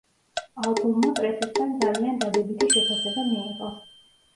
ალბომმა პრესისგან ძალიან დადებითი შეფასება მიიღო.